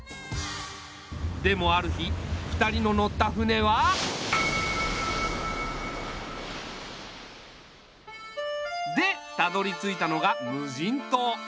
でもある日２人の乗った船は。でたどりついたのが無人島。